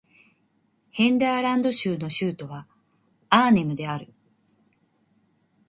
ヘルダーラント州の州都はアーネムである